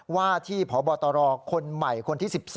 ว่าที่พบตรคนใหม่คนที่๑๔